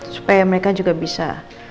supaya mereka juga bisa